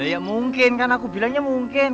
ya mungkin karena aku bilangnya mungkin